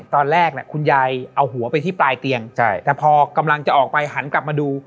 ตอนแรกคุณยายเอาหัวไปที่ปลายเตียงแต่พอกำลังจะออกไปหันกลับมาดู